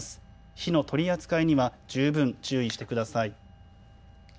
火の取り扱いには十分注意してください。